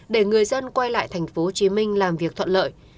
để người dân quay lại thành phố hồ chí minh làm việc thuận lợi